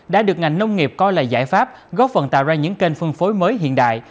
đã được ngành nông nghiệp coi là giải pháp góp phần tạo ra những kênh phân phối mới hiện đại